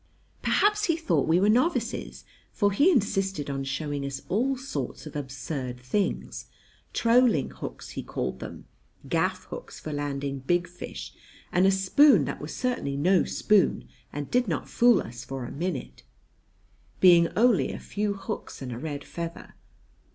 Perhaps he thought we were novices, for he insisted on showing us all sorts of absurd things trolling hooks, he called them; gaff hooks for landing big fish and a spoon that was certainly no spoon and did not fool us for a minute, being only a few hooks and a red feather.